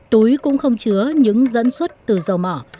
túi cũng không chứa những dẫn xuất từ dầu mỏ